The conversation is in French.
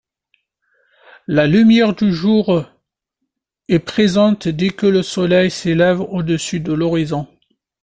La lumière du jour est présente dès que le Soleil s’élève au-dessus de l'horizon.